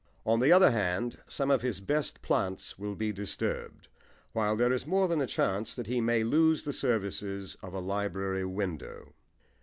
On the other hand, some of his best plants will be disturbed, while there is more than a chance that he may lose the services of a library window.